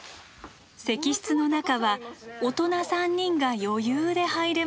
石室の中は大人３人が余裕で入れます。